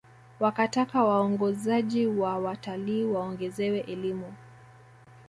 Wakataka waongozaji wa watalii waongezewe elimu